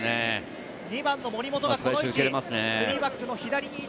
２番の森本がこの位置。